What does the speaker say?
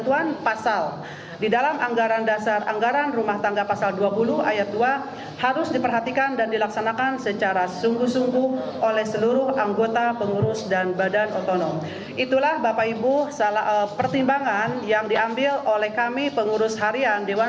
kepada pemerintah saya ingin mengucapkan terima kasih kepada pemerintah pemerintah yang telah menonton